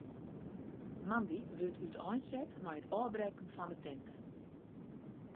Moandei wurdt úteinset mei it ôfbrekken fan de tinte.